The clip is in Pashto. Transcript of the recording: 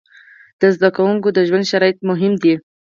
د زده کوونکو د ژوند شرایط مهم دي.